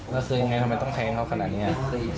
แล้วคือยังไงทำไมต้องแทงเขาขนาดนี้